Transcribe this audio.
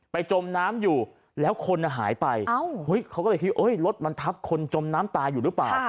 จมน้ำอยู่แล้วคนหายไปเขาก็เลยคิดรถมันทับคนจมน้ำตายอยู่หรือเปล่า